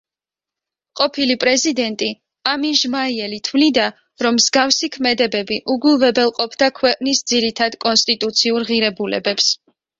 ყოფილი პრეზიდენტი ამინ ჟმაიელი თვლიდა, რომ მსგავსი ქმედებები უგულვებელყოფდა ქვეყნის ძირითად კონსტიტუციურ ღირებულებებს.